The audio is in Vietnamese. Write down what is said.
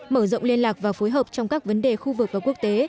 mở rộng liên lạc và phối hợp trong các vấn đề khu vực và quốc tế